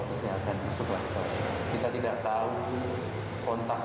jika keadaan tidak baik kemudian kita tidak akan keseluruhan